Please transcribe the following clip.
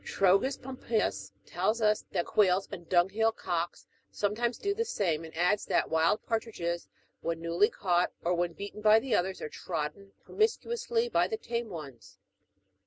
Trogus Pompeius tells us that quails and dunghill cocks sometimes do the same ; and adds, that wild partridges, when newly caught, or when beaten by the others, are trodden promiscuously by the tame ones.